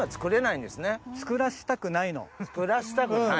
「作らせたくない」。